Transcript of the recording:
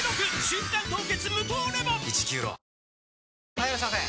・はいいらっしゃいませ！